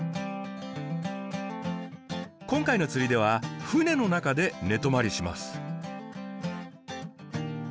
今回の釣りでは船の中で寝泊まりします。